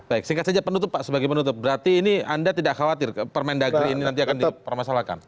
baik singkat saja penutup pak sebagai penutup berarti ini anda tidak khawatir permendagri ini nanti akan dipermasalahkan